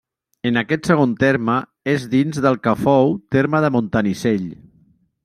En aquest segon terme, és dins del que fou terme de Montanissell.